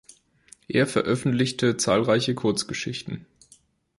Er veröffentlichte zahlreiche Kurzgeschichten.